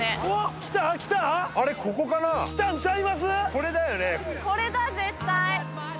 これだよね？